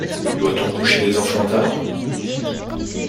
Doit-on coucher les enfants tard?